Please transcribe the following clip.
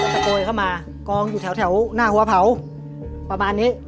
โกยเข้ามากองอยู่แถวหน้าหัวเผาประมาณนี้